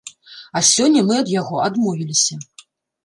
А сёння мы ад яго адмовіліся.